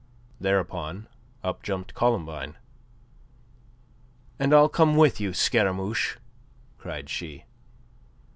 Thereupon up jumped Columbine. "And I'll come with you, Scaramouche!" cried she.